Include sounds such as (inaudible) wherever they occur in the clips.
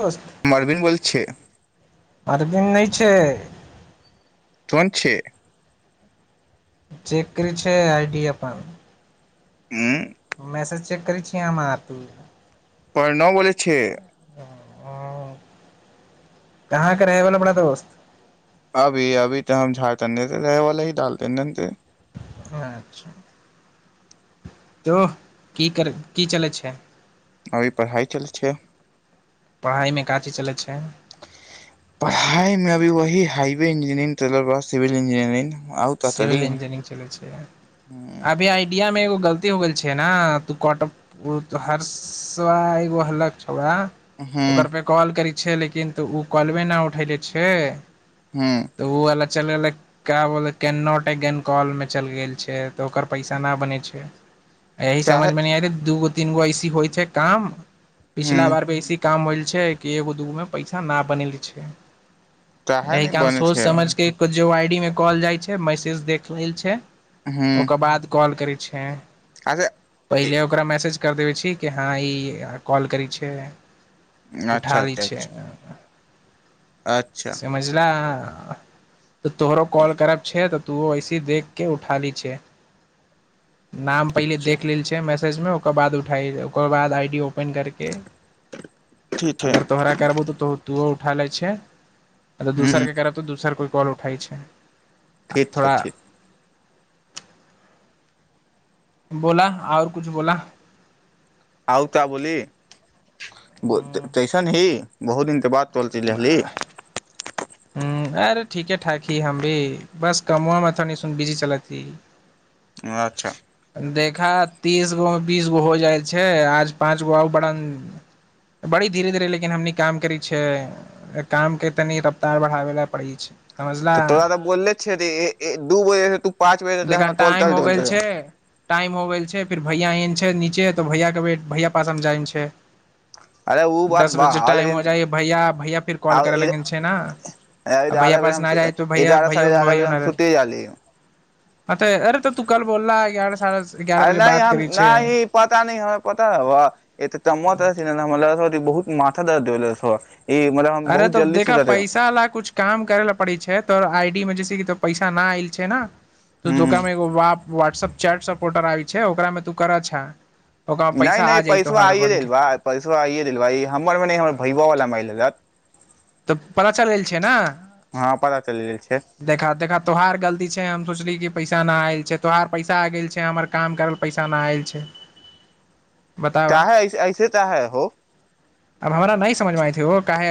दोस्त हम अरविन्द बोलै छियै अरबि नहि छै तवन छैे चेक करै छै आइ डी अपन (inaudible) मैसेज चेक करै छियै अमे तू परण बले छै ओ कहाँके रहै वला पड़ा दोस्त अभी अभी तऽ हम झाड़ त नहि रहै वालला ही ालते ने अच्छा तोह की कर की चलै छै अभी पढ़ाइ चलै छिय पढ़ाइमे का चीज चलै छै पढ़ाई मे अभी वही हाइ इंजीयरिंग तर बाद सिबिल इंजियरिंग सिविल इंजीनियरिंग चलै छै हूं अभी आइडिया मे एगो गलती हो गेल छै ने त हर्सवा एगो हल ओकर हूं पे कॉल कर छै लेकिन तऽ ओ कलबे नहि उठेले छै तऽ ओ अलग चल लै का बोलै कैन नॉट अगेन कॉलमे चलि गेल छै तऽ ओकर पैसा नहि बनै छै यही समझ काहे मे न नहि आरे दूगो तीन गो ऐसी होइ छै काम हूं पिछिला बार बेसी काम होइल छै कि एगो दूगोमे पैसा ना बनैल छै काहे एहिह नहि कारण बनै सोच छै समझके क जो आईडी में कहल जाइ छै ऐ मैसेज देख लेल छै हूं ओकर बाद कॉल करी छै अच्छा ए- पहिले ओकरा मैसेज कर देबै छी कि हँ ई कॉल करै छै अच्छा उठाबी अच्छा छै अच्छा अच्छा समझिला तोहरो कॉल करब छै तऽ तूहो ऐसे ही देख के उठा लय छै नाम पहिले देख लेल छै मै फ्रिज ओकर बाद उठाइ ओकर बाद आई डी ओपन पाइन गरके ठीक छै अगर तोरा करबौ तऽ तो तूओ उठा ले छै अरे दूसर हूं के करत तऽ दूसर कोइ काॅल उठै छै ठीक छै थोड़ा ठीक बोला आओर किछु बोला आउ ता बोली कईसन ही बहुत दिन त बाद (unintelligible) चल च ही हम्म अरे ठीके ठाक ही हम भी बस कमआ मे तनि सुन बिजी चलत ही आच्छा देखा तीसगो बीसगो हो जाइ छै आज पाँच गो आउ बड़ा बड़ी धीरे धीरे लेकिन हमनी काम करै छियै कामके तनि रफ्तार बढ़ाब लए पड़ै छै तऽ तोरा समझला तऽ बोले छै दू बजे तू पाँच बजे (unintelligible) देखा रा तोल टाइम चल हो चोल गेल चल छै टाइम हो गेल छै फेर भैया एहन छै नीचे तऽ भैयाके वेट भैया पासमे जाइमे छै अरे ओ बात दस बा बजे टाइम हो लेकिन जाइ भैया भैया फिर कॉल कर लगे छै ने आ भैया एगारह बजे पास हम न जाइ तऽ भैया एगारह साढ़े भैय एगारह बजे भैयो हम नहि सुते जाली अ ते अरे तऽ तू कल बोलला ग्यारह से (inaudible) स आरे नहि हम नाहि पता नहि हमरा पता हब (unintelligible) तऽ तमत ल बहुत माथा दर्द देबले स बा अरे तो देखा पैसा वाला कुछ काम करै ल पड़ी छै तो आइ फि के बजै से त पैस न आऐल छै ने त ह तूमे वाट्सअप चैट सपोर्टर आ छै ओकरा मे तू करऽ छ नहि नहि पैसो आइए देलबा पैसो आइए देलबा ई हमर मे नहि हमर भैयोवला म लेलत तऽ पता चलि गेल छै ने हँ पता चलि गेल छै देखा देखा तोहार गलती छै हम सोचली कि पैसा नहि आयल छै तोहार पैसा आ गेल छै हमर काम करल पैसा न आयल छै बताब क है अब ऐसे त है हो अब हमरा नहि समझमे आयथी ओ काहे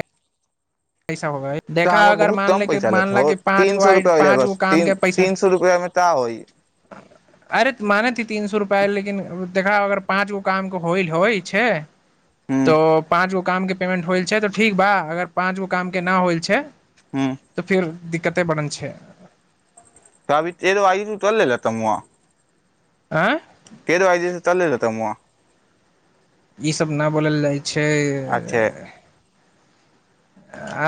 हो तऽ देखा हमर अगर बहुत मान कम ले पैसा लेत मानला हो कि पाँच तीन सौ गोइ रुपआ होलै पाँच गो बस तीन कामके पैसा तीन सौ रुपआ मे का होई अरे मानेथे तीन सो रुपैया पै लेकिन देखा अगर पाँच गो काम के होइल होइ छै हूं तऽ पाँचगो काम के पेमेन्ट होइ छै तऽ ठीक बा अगर पाँच गो कामके नाम होइल छै हूं तऽ फिर दिक्कते बनल छै त अभि तेल आरो तौल ले रे तमुआ आँ तेल आइ दिस चल रह तामुआ ई सब न बोलल जाय छै अच्छे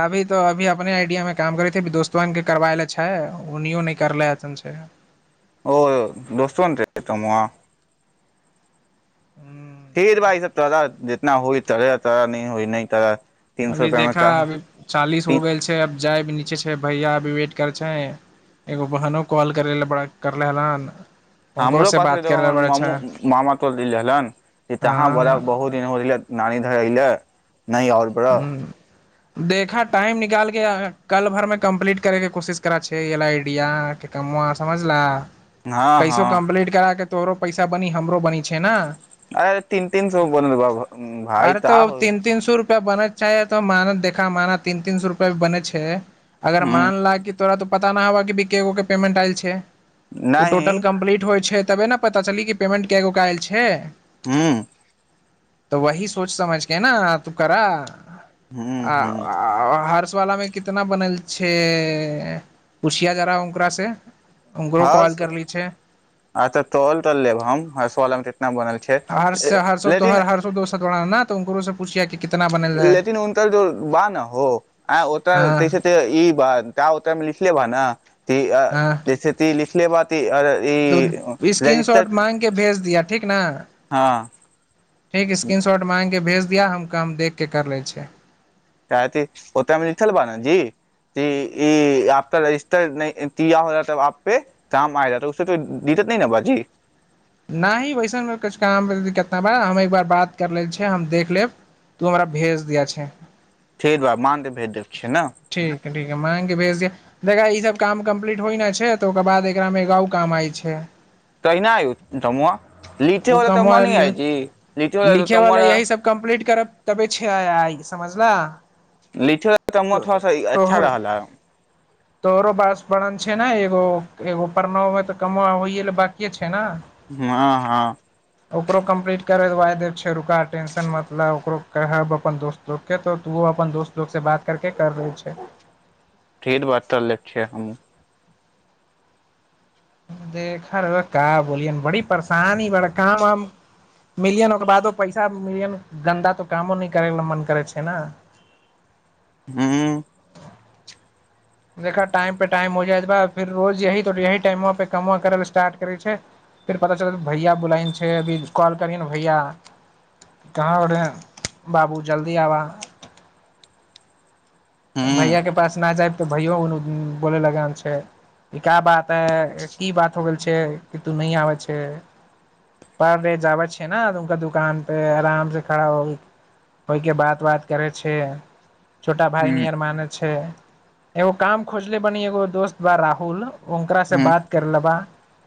अभी तो अभी अपने आइडियामे काम करे छैेी दोस्तके करबायले छै उनो नहि करले एसन छै ओ दोस्तव त मह फिर भाइ सब त जितना होइ तर तरा न होइ नहि त अभी देखा अभी चालीस हो गेल छै जाइ भी नीचे छै भैया भी वेट करै छै एगो बहनो कॉल करै लए बड़ा करले हरान हमरो पास हमर माम मामा तोन तहा बोड़ हँ बहुत दिन हो रहले नानी रहैल नहि और बर देखऽ टाइम निकालिके कल भरमे कम्प्लीट करैके कोशिश करै छी आइडिया कआ समझलऽ हँ कैसो हँ कम्प्लीट करा क तोरो पैसा बनी हमरो बनी छै न अरे तीन तीन स बनल भाइ अरे तऽ आ हो तीन तीन सौ रुपआ बनै चाहै तऽ मान देखा माना तीन तीन सए रुपआ बने छैै अगर हूं मान ल कि तोरा तो पता न हबा की भि केगो के पेमेंट आयल छै ओ नहि टोटल कम्प्लीट होइ छै तबे ने पता चलै कि पेमेन्ट कए गो आयल छै हू तऽ वही सोच समझके ना तू करअ हूँ आ हूँ अआ हर्ष वलाामे कितना बनल छै पूछिया औनकरा से उकरो कॉल हर्ष करली छै अचछा तल तल लेब हम (unintelligible) छै हर से हर स लेकिन तोहर हर सो दो स तोरा न तऽ उनकरो से पूछिया कि कितना बनल है लेेकिन उनकर जो बा न हो आ ओ त हँ तहिसे ते इ बा ता ओ त लिखले बा ना (inaudible) (unintelligible) ती हँ जैसे ती लिखले बातीर ई तऽ स्क्रीन रजिस्टर शॉट माँग के भेज दिया ठीक न हँ प्रिया हम काम देखके कर लै छिय (unintelligible) कह ओ तऽ नखल बा ने जी ईपक रजिस्टर हो तऽ आ पे काम आ उ दिक्कत न ने बाजी नाहि वैसन का कुछ काम दिक्कत ना बा हम एक बार बात कर ले छै हम देख लेब तू हमरा भेज दिया छै ठीक बा मान के भेज देब छियै न ठीक ह ठीक ह मांग के भेज दिह अ देखा ई सब काम कम्प्लीट होइ न छै तऽ ओकर बाद एकरा मेगाउ काम आइ छै कहि नहि (unintelligible) आयौ (unintelligible) त ओ लिठेवला तऽ म कामवा नहि ले आइज लिठेवला त लिखे वाला तर यही सब कम्प्लीट करब तबे छै आय आइ समझला लिखे कामवा थोड़ा सा अच्छा रहल ह तोरो बास वर्रन छै ने एगो एगो परना तऽ कमवा होइ लेल बाकिे छै न हाँ हाँ कर दबा देब छै रुका टेंशन मत ल ओकरो कहब अपन दोस्त लोकोकेँ तऽ तूहो अपन दोस्त लोकोसँ बात करि कऽ कर लै छै ढ़ेर बात करले छियै हम देखा रहे का बोलियन बड़ी परेशानी बड़ काम आ मिलियन ओकर बादो पैसा मिलिय गन्दा तऽ कामो नहि करै ल मन करै छै ने हूँ देखा टाइमपे टाइम हो जाय त ब फेर रोज यही यही टाइम पे कमा करय ल स्टार्ट करै छै फेर पता चलत भैया बुलाय छ छै अभी कॉल करियै ने भैया कहाँ रह रहे बाबू जल्दी आबह हूँ भैया के पास न जायब तऽ भैयो बोले लग छै ई का बात है की बात हो गेल छै कि तू नहि आबै छै पर रे आबै छ नेनका दुकान पे आरामसँ खड़ा हो होइके बात बात करै छै भााय हूँ नियर माने छै एगो काम खोजले बनी एगो दोस्त बा राहुल ओकरा से हूँ बात कर लेबा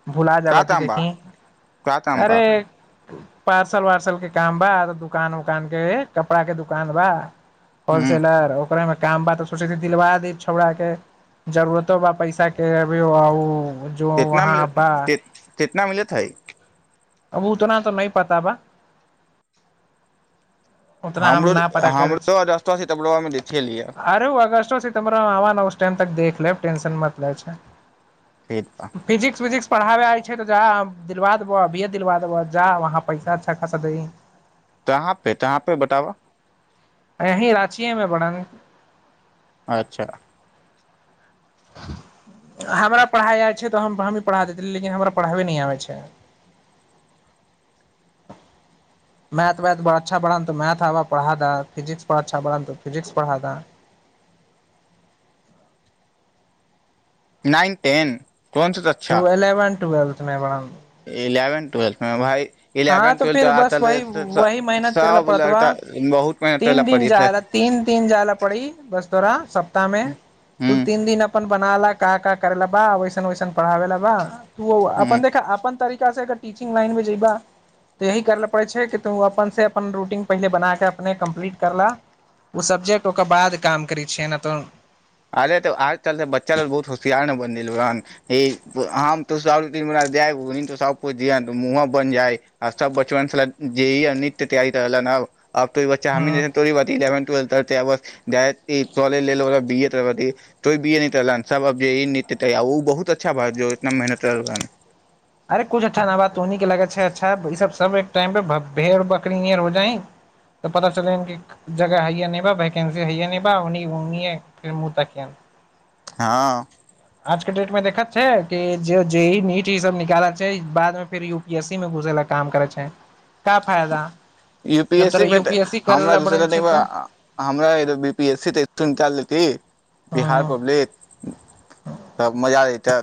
भुला का जाब ति दाम बा देखी का दाम बा अरे पार्सल वार्सल के काम बा दुकान उकान के कपड़ा के दुकान बा हूँ होलसेलर ओ करे मे काम बा तऽ सोचे दिलवा दी छौड़ा के जरूरतो बा पैसा के अभी ओ जो कितना वहाँ मिल बा कित कितना मिलत हइ अब उतना तऽ नहि पता बा उ तना आ हमरो न पता कर हमरो रस्तवा सितबरवा में देखे लिए आर अगसोरा आ देख लेब टेंशन मत लय छै खेत बा फिजिक्स विजिक्स पढ़ाबे आय छै तऽ जा दिलवा देबह अभिय दिलवा देबह जा वहाँ पैसा अच्छा खासा दही कहाँ पे कहाँ पे बताबा यहीं राचियमें पड़ंग अच्छा हमरा पढ़ाइ आइ छै तऽ हम हमही पढ़ा देतै लेकिन हमरा पढ़ाबे नहि आबै छै मैथ वैथ अच्छा बढ़ त मैथ पढ़ा द फिजिक्स अच्छा बढ़ त फिजिक्स पढ़ा द नाईन टेन ट्वञचत छा ट्वेल्थमे बा इलेवनथ ट्वेल्थ मे भाइ हँ त फिर बस वह वही स- मेहनत करै ल सब पड़त ब लड़का बहुत मेहनत करै ला तीन दिन पड़ै जा छै तीन दिन ज ला पड़ी बस थोराा सप्ताह में हूँ तू तीन दिन अपन बना ला क क करे ला बा वैसन ओैसन पढ़ाबे ला बा ओ हूँ अपन देख अपन त कर टीचिंग लानमे जइबा तऽ यही करय ल लेल पड़ै छै कि तू अपनसँ अपन रूटीन पहिले बना कऽ अपने कम्प्लीट कर लह ओ सब्जेक्ट ओकर बाद काम करै छियह ए ने तऽ अरे तऽ आज चल त बच्चा लग बहुत होशियार ने बनेल रहने हम तू जा त मुह बनि जाय आ सब बचपन छल जे नृित्य तैयारी कर ह अबो ई बच्चा ह ही तोड़ बात इेवन घर च आब दियौ तो भी सब जे ई नत्य ओ बहुत अच्छा भत इतना मेहनत रहल अरे कुछ अच्छा न बात त उन्ह के लगत छै अच्छा सब सब एक टाइम प भेड़ बकरीर हो जाइ तऽ पता चल जगह हैया बा वंसी हैया उन् फर मुह त हँ आज के डेट मे देखत छै कि जे जे ई नीट ई सब निकालल छै बादमे फेर यू पी एस सी मे घुसे लय काम करय छै का फायदा यू पी जब एस सी तोरा U but P S C करे हमरा ला दस बनै छै तऽ हमरा बीपी एस सी तऽ निकालल की बिहार हँ पब्लिक तब मजा अयतय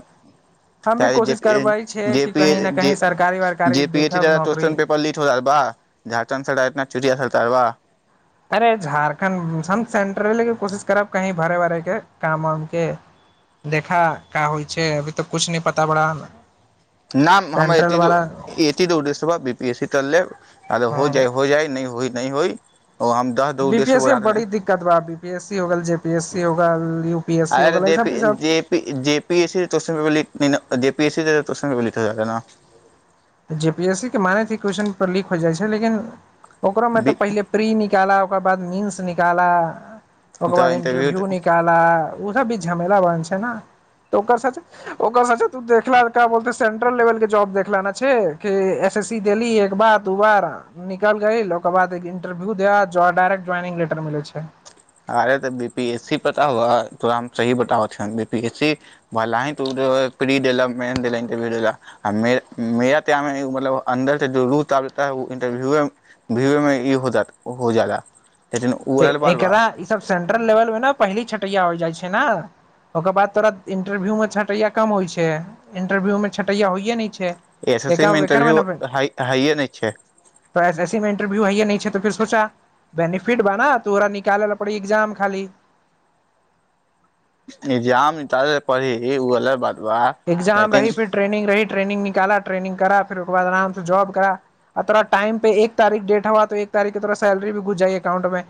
हम भी कोशिश करबय छियै कि कहीं ने कहीं सरकारी वरकारी देखब नौकरी वाह झारखंडसं सारा एतना चिड़ियाघर बा अरे झारखण्ड हम सेंटर लेके कोशिश करब कहीँ भरे उरेके काम उामके देखा का होइ छै अभी तऽ किछु नहि पता बड़ा हमरा न हमर एते दो उदेश्य बाबी पी एस सी त लेब हँ हो जा हो जाइ नहि हो नहि होइ ओ हम दह दो बी पी उद्देश्य एस सी बड़ी दिक्कत बा अभी बी पी एस सी हो गेल जे पी एस सी हो गेल यू पी (unintelligible) एस सी हो गेल त' ई सब ई सब जे पी एस सी त कोश्चन लीक होय हय न जे पी एस सी के मानैत छयै की क्वेेशचन पेपर लीक हो जाइ छै लेकिन ओकोरोमे तऽ न पहिले प्री निकालब ओकर बाद मीन्स निकाला ओकर बाद इंटरव्यू निकाला ओ सब भी झमेला बनने छै ने त ओकर के ओकर सके त देखना सेंट्रल लेवल के जॉब देखलाना छै कि एस एस सी देली एक बार दू बार निकल गइल ओकर बाद एक इंटरव्यू देआ डायरेक्ट ज्वइनिंग लेटर मिलय छै अरे तऽ बी पी एस सी पता हुआ तोरा हम सही बताब हइ बी पी एस सी भला ही तू प्री देलह मेन देलह इंटरव्यू देलह मेरा टाइममे एगो मतलब अंदर से ई है इटरव्यूएमे हो जाला उ तऽ एयल बड़ बा एकरा ई सब सेंट्रल लेवलमे ने पहिले छटैया हो जाय छै ने ओकर बाद तोरा इंटरव्यूमे छटैया कम होय छै इंटरव्यू में छटैया होइये ने छै है एस एस सी देख मे बेकार मै इंटरव्यू ने हय हइये नै छै त ऐ एसे सी मे इंटरव्यू हैयै नहि छै त फेर (unintelligible) फिट बा न तोहरा निकालल पड़ै एग्जाम खाली इग्जाममे ज्यादा पढय के पड़ी ई अलग बात छै एग्जाम रही फिर ट्रेनिंग रही ट्रेनिंग निकाला ट्रेनिंग करा फिर उके बाद आरामसं जाॅब करा तोरा टाइम पर एक तारिक डेट होव सैलरी भी घुस जाइ अकाउंटमे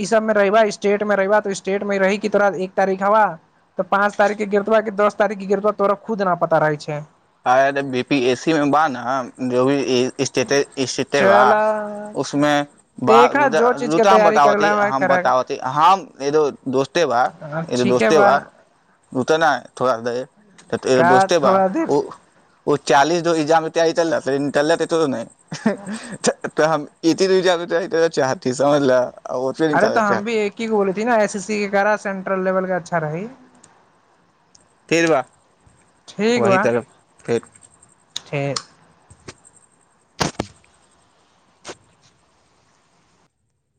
इ सबमे रहैब स्टेटमे रहैब स्टेटमे रहीब रही की तोरा एक तारिक हेबा त' पाॅंच तारिककें गिरतब‌ की दस तारिककें गिरत बा तोरा खुद न पता रहय छै ह रे बी पी एसी मे बा न जो भी स्थिति स्थिति बा चल उसमे ब देखा जो चीज के रुता तैयारी बताबी करला ह हम कर बताबी हम एदो दोस्ते बा एो दोस्ते बा रुत न ह थोड़ा देरो का दोस्ते बा थोड़ा देर ओ चालीस जो इजाम जाइ त तल इंटरलेट तऽ नहि (unintelligible) (unintelligible) तऽ हम इजरि समझल ओतबे अरे निकाले त हम भी चाहती एक ही गो बोली थी न एस सी सी के लेवल के अच्छा रहै फिर वाह वही तरफ फेर ठीक